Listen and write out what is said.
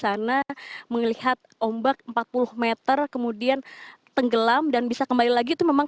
karena mengelihat ombak empat puluh meter kemudian tenggelam dan bisa kembali lagi itu memang